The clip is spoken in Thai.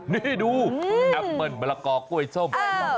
นี่ดูแอปเปิ้ลมะละกอกล้วยส้ม